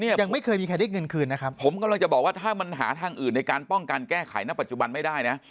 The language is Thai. ยังไม่เคยมีใครได้เงินคืนนะครับผมกำลังจะบอกว่าถ้ามันหาทางอื่นในการป้องกันแก้ไขณปัจจุบันไม่ได้นะ